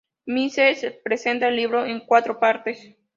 Mises presenta el libro en cuatro partes.